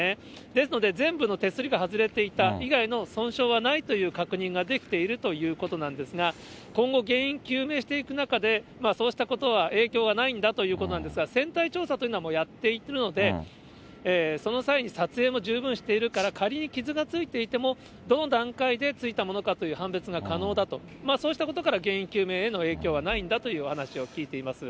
ですので、全部の手すりが外れていた以外の損傷はないという確認ができているということなんですが、今後、原因究明していく中で、そうしたことは影響がないんだということなんですが、船体調査というのは、もうやっているので、その際に撮影も十分しているから、仮に傷がついていても、どの段階でついたものかという判別は可能だと、そうしたことから、原因究明への影響はないんだというお話を聞いています。